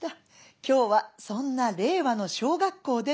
今日はそんな令和の小学校でのお話。